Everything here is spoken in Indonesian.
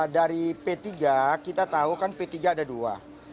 dari p tiga kita tahu kan p tiga ada dua